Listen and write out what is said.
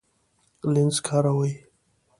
لینز کاروئ؟